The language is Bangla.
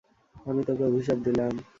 আমি তোকে অভিশাপ দিলাম।